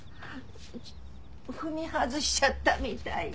踏み外しちゃったみたいで。